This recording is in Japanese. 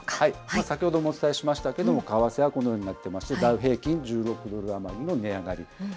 先ほどもお伝えしましたけれども、為替はこのようになってまして、ダウ平均、１６ドル余りの値上がり。